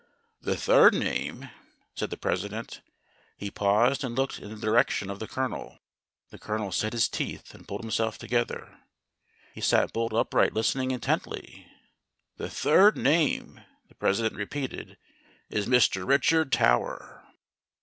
"The third name," said the President he paused and looked in the direction of the Colonel. The Col onel set his teeth and pulled himself together. He sat bolt upright listening intently. "The third name," the President repeated, "is Mr. Richard Tower."